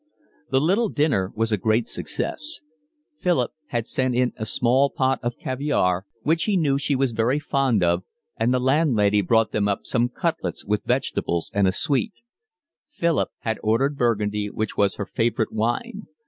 The little dinner was a great success. Philip had sent in a small pot of caviare, which he knew she was very fond of, and the landlady brought them up some cutlets with vegetables and a sweet. Philip had ordered Burgundy, which was her favourite wine.